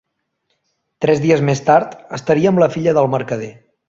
Tres dies més tard, estaria amb la filla del mercader.